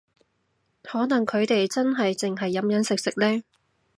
可能佢哋真係淨係飲飲食食呢